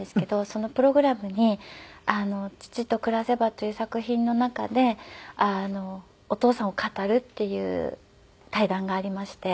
そのプログラムに『父と暮せば』という作品の中でお父さんを語るっていう対談がありまして。